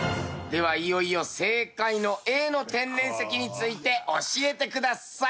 ではいよいよ正解のＡの天然石について教えてください。